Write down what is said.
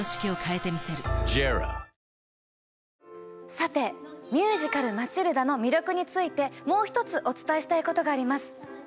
さてミュージカル『マチルダ』の魅力についてもう１つお伝えしたいことがあります。